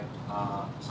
terutama di bawah uas sdi